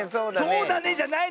「そうだね」じゃない！